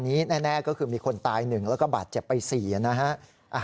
นี้แน่ก็คือมีคนตาย๑แล้วก็บาดเจ็บไป๔นะฮะ